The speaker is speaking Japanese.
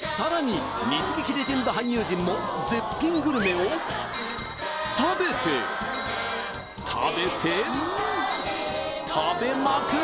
さらに日劇レジェンド俳優陣も絶品グルメを食べて食べて食べまくる